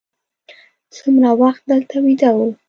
څومره وخت دلته ویده وو.